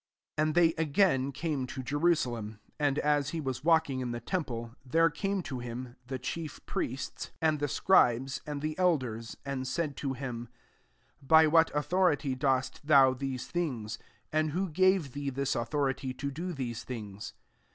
27 And they again came to Jerusalem : and as he was walking in the temple, there came to him, the chief priests. 94 MARK XIL and the scribes, and the elders ; 28 and said to him, "By what au thority dost thou these things ? and who gave thee this au thority, to do these things?"